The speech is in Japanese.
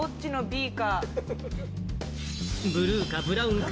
ブルーかブラウンか。